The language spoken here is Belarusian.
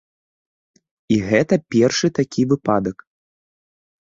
І гэта першы такі выпадак.